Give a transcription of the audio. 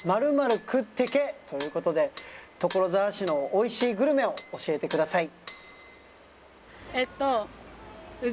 「○○食ってけ！」ということで所沢市のおいしいグルメを教えてください